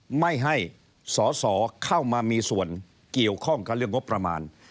ไม่ให้สอสอเข้ามามีส่วนเกี่ยวข้องกับเรื่องงบประมาณ